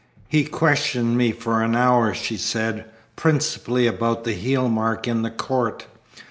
"He questioned me for an hour," she said, "principally about the heel mark in the court.